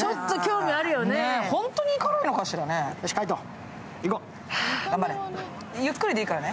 本当に辛いのかしらね。